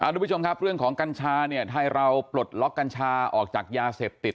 ทุกผู้ชมครับเรื่องของกัญชาเนี่ยไทยเราปลดล็อกกัญชาออกจากยาเสพติด